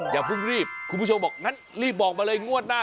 อย่าเพิ่งรีบคุณผู้ชมบอกงั้นรีบบอกมาเลยงวดหน้า